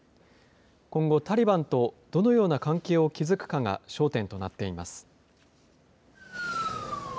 今後、タリバンとどのような関係を築くかが焦点となっています。